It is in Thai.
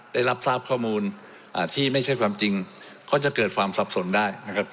ได้รับทราบข้อมูลที่ไม่ใช่ความจริงก็จะเกิดความสับสนได้นะครับ